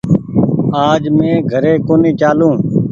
آج مينٚ گھري ڪونيٚ چآلون